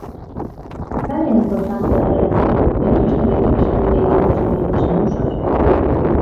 Cal é a importancia da relación entre os territorios fronteirizos galegos e lusos?